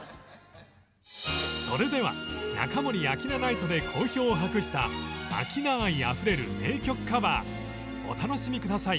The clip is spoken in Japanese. それでは「中森明菜ナイト！」で好評を博した明菜愛あふれる名曲カバーお楽しみ下さい。